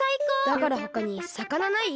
だからほかにさかなない？